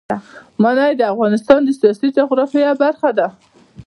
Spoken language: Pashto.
منی د افغانستان د سیاسي جغرافیه برخه ده.